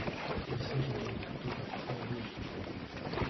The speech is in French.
Il s'agit donc plutôt d'un train léger.